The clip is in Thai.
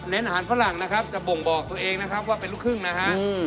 อาหารฝรั่งนะครับจะบ่งบอกตัวเองนะครับว่าเป็นลูกครึ่งนะฮะ